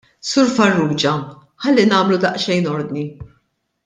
Sur Farrugia, ħalli nagħmlu daqsxejn ordni.